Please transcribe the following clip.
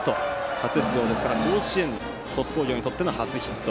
初出場ですから鳥栖工業にとっての甲子園初ヒット。